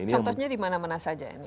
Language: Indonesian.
contohnya dimana mana saja ini